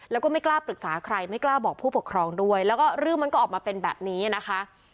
แล้วก็ไม่กล้าปรึกษาใครไม่กล้าบอกผู้ปกครองด้วยแล้วก็เรื่องมันก็ออกมาเป็นแบบนี้นะคะ